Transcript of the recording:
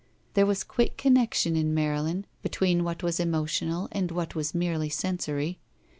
There was qtiick connection in Marylin between what was emotional and what was merely sensory.